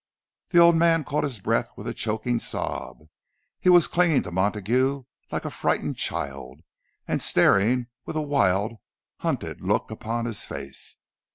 The old man caught his breath with a choking sob. He was clinging to Montague like a frightened child, and staring with a wild, hunted look upon his face.